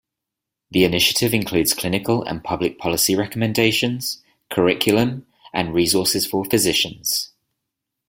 The initiative includes clinical and public policy recommendations, curriculum, and resources for physicians.